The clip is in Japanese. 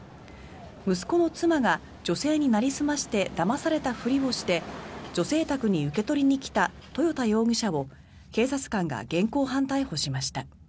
息子の妻が女性になりすましてだまされたふりをして女性宅に受け取りに来た豊田容疑者を警察官が現行犯逮捕しました。